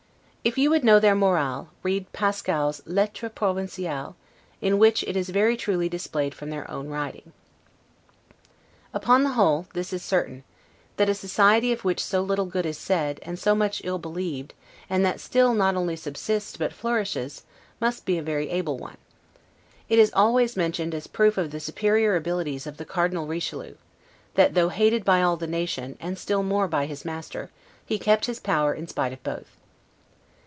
If you would know their 'morale' read Pascal's 'Lettres Provinciales', in which it is very truly displayed from their own writings. Upon the whole, this is certain, that a society of which so little good is said, and so much ill believed, and that still not only subsists, but flourishes, must be a very able one. It is always mentioned as a proof of the superior abilities of the Cardinal Richelieu, that, though hated by all the nation, and still more by his master, he kept his power in spite of both.